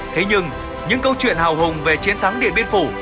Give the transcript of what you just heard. thế nhưng những câu chuyện hào hùng về chiến thắng điện biên phủ